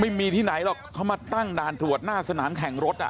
ไม่มีที่ไหนหรอกเขามาตั้งด่านตรวจหน้าสนามแข่งรถอ่ะ